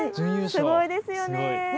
すごいですよね。